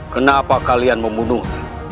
kenapa kalian membunuh